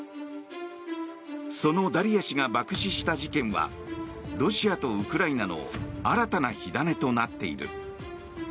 そのダリヤ氏が爆死した事件はロシアとウクライナの新たな火種となっている。